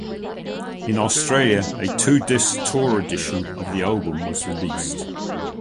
In Australia a two-disc Tour Edition of the album was released.